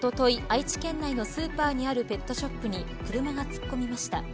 愛知県内のスーパーにあるペットショップに車が突っ込みました。